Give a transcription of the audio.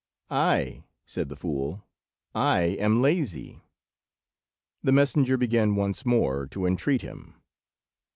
"Ay," said the fool; "I am lazy." The messenger began once more to entreat him.